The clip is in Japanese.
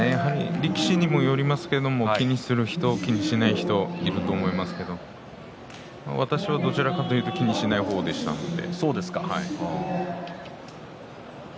力士にもよりますが気にする人、気にしない人いると思いますが私はどちらかというと気にしない方でしたので。